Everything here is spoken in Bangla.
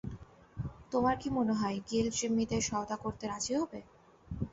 তোমার কি মনে হয় গিল্ড জিম্মিদের সওদা করতে রাজি হবে?